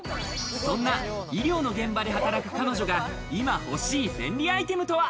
そんな医療の現場で働く彼女が今欲しい便利アイテムとは？